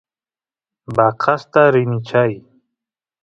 vacasta rini chay